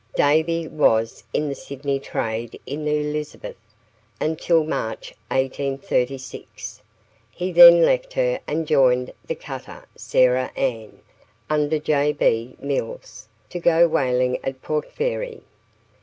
Davy was in the Sydney trade in the 'Elizabeth' until March, 1836; he then left her and joined the cutter 'Sarah Ann', under J. B. Mills, to go whaling at Port Fairy.